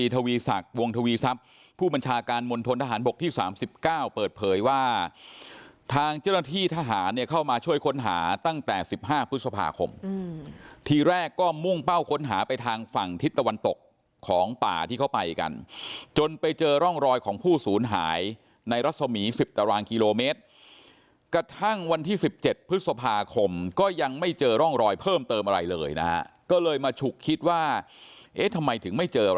ทวีสักวงทวีทรัพย์ผู้บัญชาการมนตรฐานบกที่สามสิบเก้าเปิดเผยว่าทางเจ้าหน้าที่ทหารเนี่ยเข้ามาช่วยค้นหาตั้งแต่สิบห้าพฤษภาคมอืมทีแรกก็มุ่งเป้าค้นหาไปทางฝั่งทิศตะวันตกของป่าที่เข้าไปกันจนไปเจอร่องรอยของผู้สูญหายในรัศมีร์สิบตารางกิโลเมตรกระทั่งวันที่สิบเจ